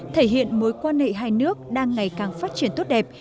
thể hiện mối quan hệ hai nước đang ngày càng phát triển tốt đẹp